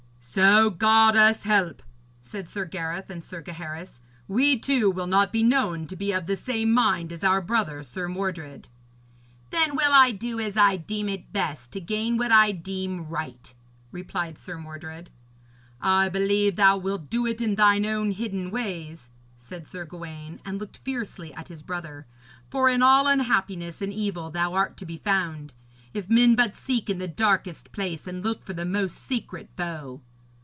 'So God us help,' said Sir Gareth and Sir Gaheris, 'we too will not be known to be of the same mind as our brother Sir Mordred.' 'Then will I do as I deem it best, to gain what I deem right,' replied Sir Mordred. 'I believe that thou wilt do it in thine own hidden ways,' said Sir Gawaine, and looked fiercely at his brother, 'for in all unhappiness and evil thou art to be found, if men but seek in the darkest place and look for the most secret foe.'